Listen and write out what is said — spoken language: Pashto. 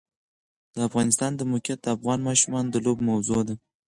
د افغانستان د موقعیت د افغان ماشومانو د لوبو موضوع ده.